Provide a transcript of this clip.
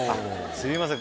すいません